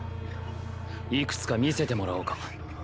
いくつか見せてもらおうか。